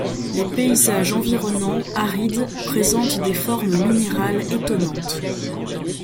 Les paysages environnants, arides, présentent des formes minérales étonnantes.